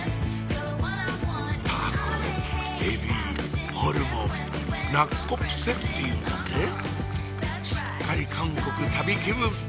タコエビホルモンナッコプセっていうんだってすっかり韓国旅気分！